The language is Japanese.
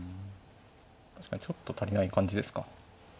確かにちょっと足りない感じですか。